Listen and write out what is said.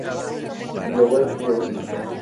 Global Crossing